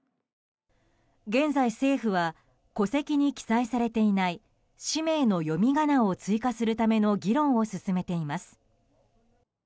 現在、政府は戸籍に記載されていない氏名の読み仮名を追加するための議論を進めています。